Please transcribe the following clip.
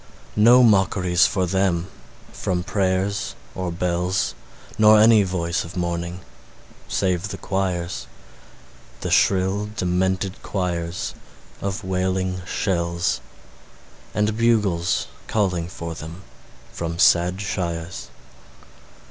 No mockeries for them from prayers or bells, Nor any voice of mourning save the choirs The shrill, demented choirs of wailing shells; And bugles calling for them from sad shires.